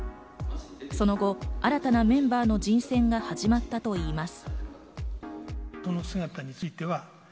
その後、新たなメンバーの人選が始まったといいます。